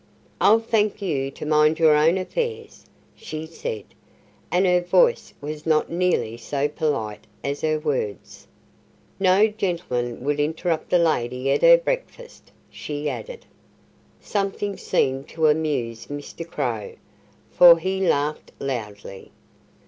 "I'll thank you to mind your own affairs," she said, and her voice was not nearly so polite as her words. "No gentleman would interrupt a lady at her breakfast," she added. Something seemed to amuse Mr. Crow, for he laughed loudly.